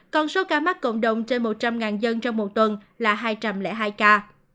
còn số ca mắc cộng đồng trên một trăm linh dân trong một tuần là hai trăm linh hai ca